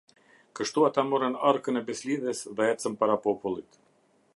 Kështu ata morën arkën e besëlidhjes dhe ecën para popullit.